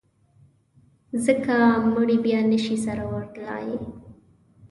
ځکه مړي بیا نه شي سره ورتلای.